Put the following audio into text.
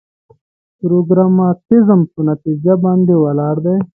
پراګماتيزم په نتيجه باندې ولاړ دی.